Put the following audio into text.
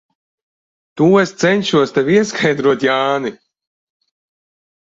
To es cenšos tev ieskaidrot, Jāni.